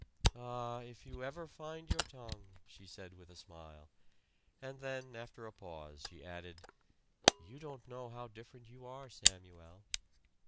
"Ah, if you ever find your tongue!" she said with a smile; and then after a pause she added, "You don't know how different you are, Samuel."